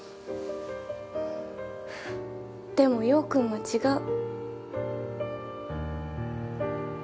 でも陽君は違う。